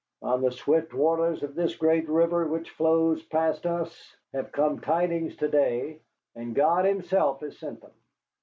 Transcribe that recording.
On the swift waters of this great river which flows past us have come tidings to day, and God Himself has sent them.